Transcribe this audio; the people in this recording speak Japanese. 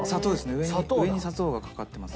上に上に砂糖がかかってます。